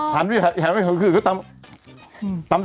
ปกติเขาอาหารข้างล่อ